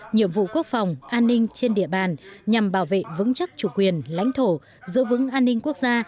nhiệm vụ quốc phòng an ninh trên địa bàn nhằm bảo vệ vững chắc chủ quyền lãnh thổ giữ vững an ninh quốc gia